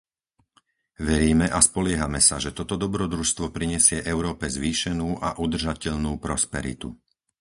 Veríme a spoliehame sa, že toto dobrodružstvo prinesie Európe zvýšenú a udržateľnú prosperitu.